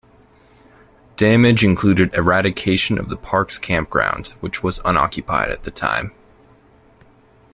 Damage included eradication of the park's campground, which was unoccupied at the time.